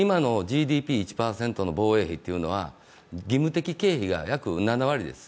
今のＧＤＰ１％の防衛費というのは義務的経費が約７割です。